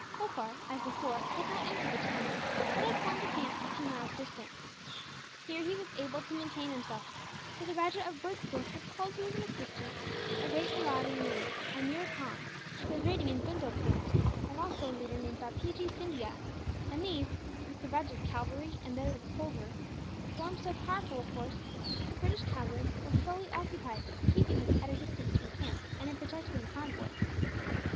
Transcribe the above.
Holkar, as before, had not entered the town; but had formed a camp a few miles distant. Here he was able to maintain himself, for the Rajah of Bhurtpoor had called to his assistance a great marauding leader, Ameer Khan, who was raiding in Bundelcund; and also a leader named Bapeejee Scindia; and these, with the rajah's cavalry and that of Holkar, formed so powerful a force that the British cavalry were fully occupied in keeping them at a distance from camp, and in protecting the convoy.